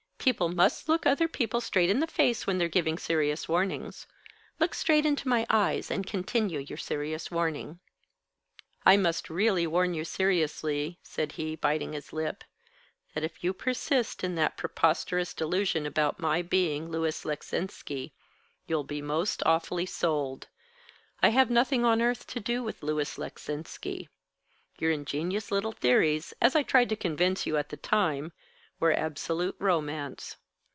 "People must look other people straight in the face when they're giving serious warnings. Look straight into my eyes, and continue your serious warning." "I must really warn you seriously," said he, biting his lip, "that if you persist in that preposterous delusion about my being Louis Leczinski, you'll be most awfully sold. I have nothing on earth to do with Louis Leczinski. Your ingenious little theories, as I tried to convince you at the time, were absolute romance."